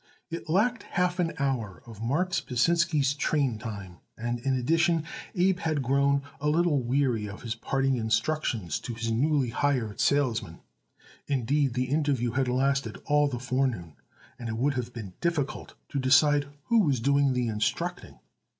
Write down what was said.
It lacked half an hour of Marks Pasinsky's train time, and, in addition, Abe had grown a little weary of his parting instructions to his newly hired salesman. Indeed, the interview had lasted all the forenoon, and it would have been difficult to decide who was doing the instructing.